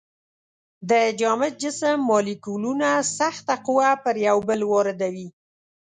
د جامد جسم مالیکولونه سخته قوه پر یو بل واردوي.